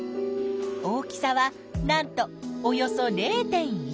大きさはなんとおよそ０．１ｍｍだよ！